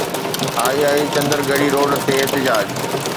II Chandar Garhi road تي احتجاج